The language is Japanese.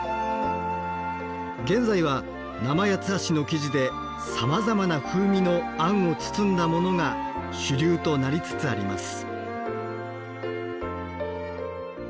現在は生八ツ橋の生地でさまざまな風味のあんを包んだモノが主流となりつつあります。